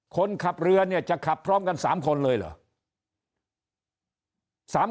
คนขับเรือเนี่ยจะขับพร้อมกัน๓คนเลยเหรอ